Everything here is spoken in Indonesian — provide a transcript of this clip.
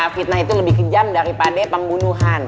fitnah itu lebih kejam daripada pembunuhan